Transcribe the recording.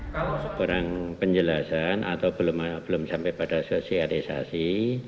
kalau kurang penjelasan atau belum sampai pada sosialisasi